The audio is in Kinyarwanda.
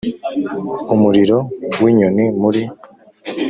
umuriro w'inyoni muri